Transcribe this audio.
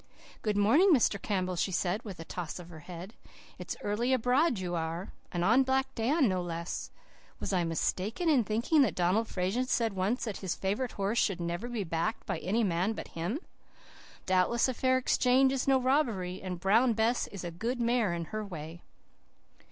"'Good morning, Mr. Campbell,' she said, with a toss of her head. 'It's early abroad you are. And on Black Dan, no less! Was I mistaken in thinking that Donald Fraser said once that his favourite horse should never be backed by any man but him? But doubtless a fair exchange is no robbery, and Brown Bess is a good mare in her way.